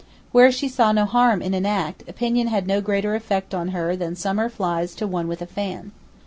Where she saw no harm in an act, opinion had no greater effect on her than summer flies to one with a fan.